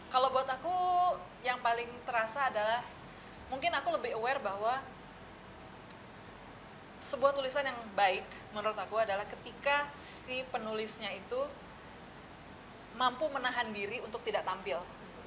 kalau buat aku yang paling terasa adalah mungkin aku lebih aware bahwa sebuah tulisan yang baik menurut aku adalah ketika si penulisnya itu mampu menahan diri untuk tidak tampil